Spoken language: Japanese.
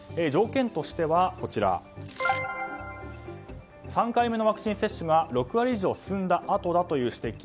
条件としては３回目のワクチン接種が６割以上進んだあとだという指摘。